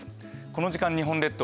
この時間、日本列島